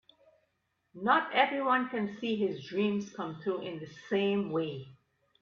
Not everyone can see his dreams come true in the same way.